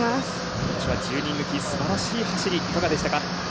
今年は１０人抜き素晴らしい走りいかがでしたか。